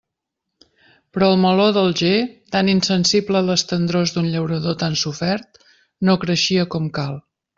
Però el meló d'Alger, tan insensible a les tendrors d'un llaurador tan sofert, no creixia com cal.